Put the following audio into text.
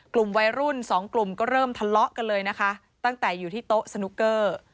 กลุ่มวัยรุ่นสองกลุ่มก็เริ่มทะเลาะกันเลยนะคะตั้งแต่อยู่ที่โต๊ะสนุกเกอร์